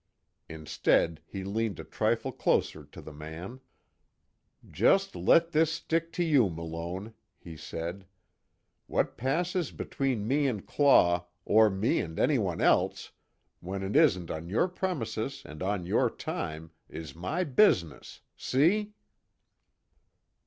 Instead, he leaned a trifle closer to the man: "Just let this stick to you, Malone," he said, "What passes between me and Claw, or me and anyone else, when it isn't on your premises and on your time, is my business see?"